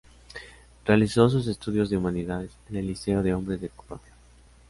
Realizó sus estudios de humanidades en el Liceo de Hombres de Copiapó.